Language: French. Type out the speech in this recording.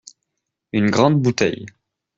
Une grande bouteille.